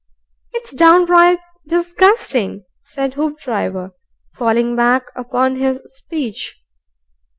"It's downright disgusting," said Hoopdriver, falling back upon his speech.